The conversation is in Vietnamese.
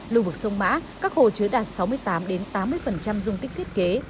lưu vực sông mã các hồ chứa đạt sáu mươi tám tám mươi dung tích thiết kế